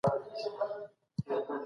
هیوادونه چیري د اقلیتونو حقونه لټوي؟